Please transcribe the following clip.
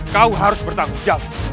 kau harus bertanggung jawab